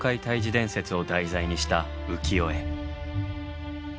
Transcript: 伝説を題材にした浮世絵。